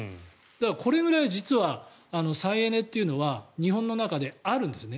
これぐらい実は再エネというのは日本の中で、あるんですね。